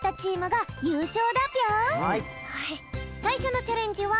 さいしょのチャレンジはたまよ